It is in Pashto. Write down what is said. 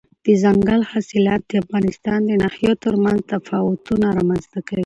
دځنګل حاصلات د افغانستان د ناحیو ترمنځ تفاوتونه رامنځته کوي.